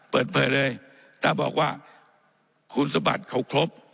เปิดเผยเลยถ้าบอกว่าคุณสมบัติเขาครบ